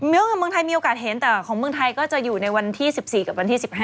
ว่าเมืองไทยมีโอกาสเห็นแต่ของเมืองไทยก็จะอยู่ในวันที่๑๔กับวันที่๑๕